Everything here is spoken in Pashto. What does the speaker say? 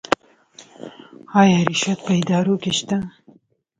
آیا رشوت په ادارو کې شته؟